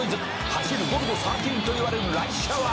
「走るゴルゴ１３といわれるライスシャワーだ」